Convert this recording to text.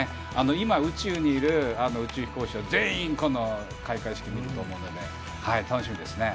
今、宇宙にいる宇宙飛行士は全員、この開会式を見ると思うので楽しみですね。